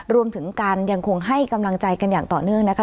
รวมถึงการยังคงให้กำลังใจกันอย่างต่อเนื่องนะคะ